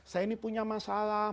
saya ini punya masalah